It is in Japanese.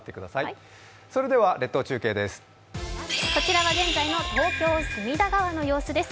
こちらは現在の東京・隅田川の様子です。